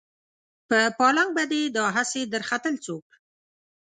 په پالنګ به دې دا هسې درختل څوک